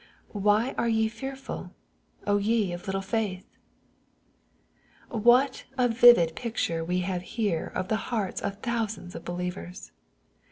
" Why are ye fearful, ye of little faith \" What a vivid picture we have here of the hearts of thousands of believers